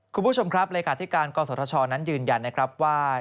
คุณผู้ชมครับเลขาธิการกศชนั้นยืนยันนะครับว่า